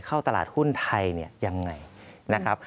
เข้าตลาดหุ้นไทยอย่างไรนะครับ